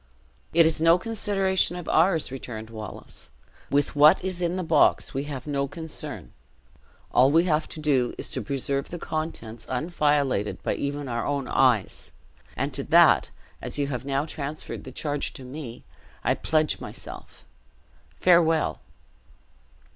"It is no consideration of ours," returned Wallace. "With what is in the box we have no concern; all we have to do is, to preserve the contents unviolated by even our own eyes; and to that, as you have now transferred the charge to me, I pledge myself farewell."